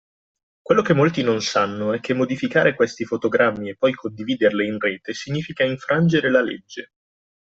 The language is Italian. Quello che molti non sanno è che modificare questi fotogrammi e poi condividerle in rete significa infrangere la legge.